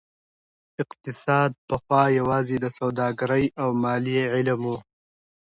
اقتصاد پخوا يوازي د سوداګرۍ او ماليې علم و.